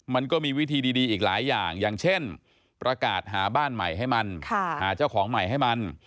มันก็มีวิธีดีอีกหลายอย่างอย่างเช่นประกาศหาบ้านใหม่ให้มันหาเจ้าของใหม่ให้มัน